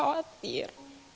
aku gak usah khawatir